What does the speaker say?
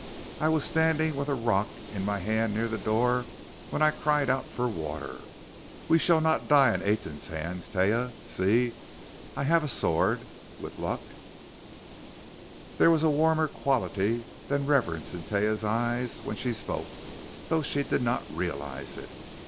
I was standing with a rock in my hand near the door, when I cried out for water.... We shall not die in Aten's hands, Taia! See I have a sword. With luck " There was a warmer quality than reverence in Taia's eyes when she spoke though she did not realize it.